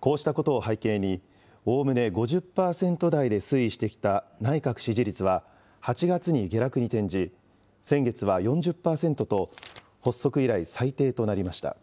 こうしたことを背景に、おおむね５０％台で推移してきた内閣支持率は、８月に下落に転じ、先月は４０％と、発足以来最低となりました。